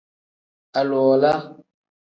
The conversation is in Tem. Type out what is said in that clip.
Aluwala.